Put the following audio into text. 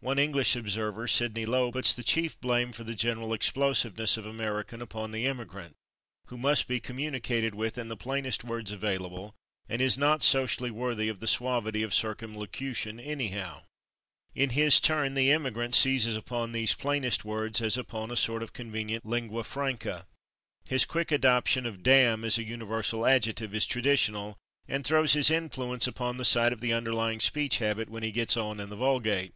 One English observer, Sidney Low, puts the chief blame for the general explosiveness of American upon the immigrant, who must be communicated with in the plainest words available, and is not socially worthy of the suavity of circumlocution anyhow. In his turn the immigrant seizes upon these plainest words as upon a sort of convenient Lingua Franca his quick adoption of /damn/ as a universal adjective is traditional and throws his influence upon the side of the underlying speech habit when he gets on in the vulgate.